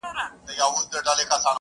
فقط علم او هنر دی چي همېش به جاویدان وي,